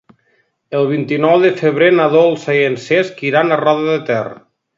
El vint-i-nou de febrer na Dolça i en Cesc iran a Roda de Ter.